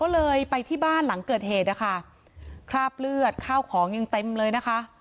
ก็เลยไปที่บ้านหลังเกิดเหตุนะคะคราบเลือดข้าวของยังเต็มเลยนะคะ